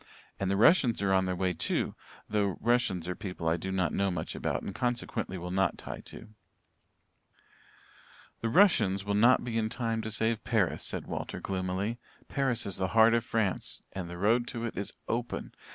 And the Russians are on their way, too, though Russians are people I do not know much about and consequently will not tie to." "The Russians will not be in time to save Paris," said Walter gloomily. "Paris is the heart of France and the road to it is open.